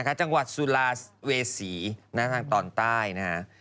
อ๋อฮะจังหวัดสุราเวสีตอนใต้นะฮะ